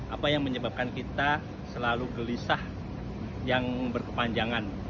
apa yang menyebabkan kita selalu gelisah yang berkepanjangan